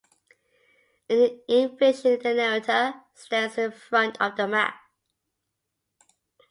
In an in-vision the narrator stands in front of the map.